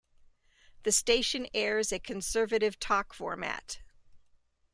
The station airs a Conservative Talk format.